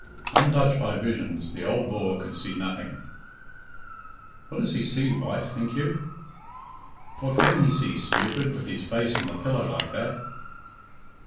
Untouched by visions, the old Boer could see nothing. "What does he see, wife, think you?" "What can he see, stupid, with his face in the pillow like that?"